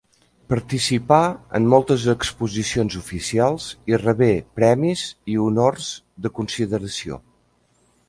Participà en moltes exposicions oficials, i rebé premis i honors de consideració.